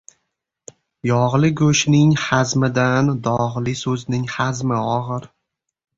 Yog‘li go‘shtning hazmidan, dog‘li so‘zning hazmi og‘ir.